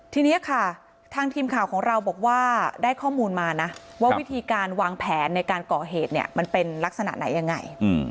ทีนี้ค่ะทางทีมข่าวของเราบอกว่าได้ข้อมูลมานะว่าวิธีการวางแผนในการก่อเหตุเนี่ยมันเป็นลักษณะไหนยังไง